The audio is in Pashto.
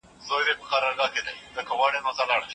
خدای ج عادل دی او د عدالت غوښتنه کوي.